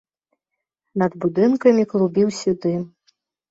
Над будынкамі клубіўся дым.